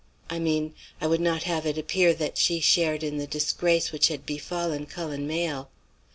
"I mean, I would not have it appear that she shared in the disgrace which had befallen Cullen Mayle.